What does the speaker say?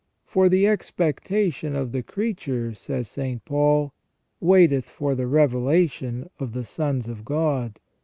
" For the expectation of the creature," says St. Paul, " waiteth for the revelation of the sons of God.